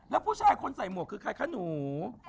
แล้วผู้ชายคนใส่หมวกคือใครคะหนู